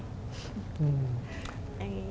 อืม